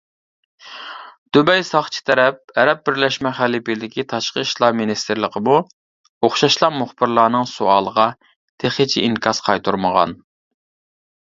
دۇبەي ساقچى تەرەپ، ئەرەب بىرلەشمە خەلىپىلىكى تاشقى ئىشلار مىنىستىرلىقىمۇ ئوخشاشلا مۇخبىرلارنىڭ سوئالىغا تېخىچە ئىنكاس قايتۇرمىغان.